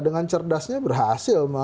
dengan cerdasnya berhasil